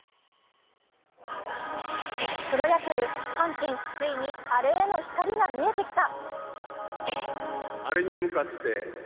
プロ野球、阪神、ついにアレへの光が見えてきた。